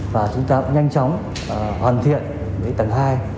và chúng ta cũng nhanh chóng hoàn thiện cái tầng hai